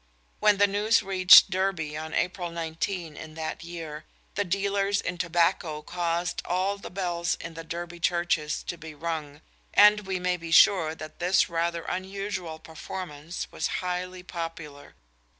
When the news reached Derby on April 19 in that year, the dealers in tobacco caused all the bells in the Derby churches to be rung, and we may be sure that this rather unusual performance was highly popular.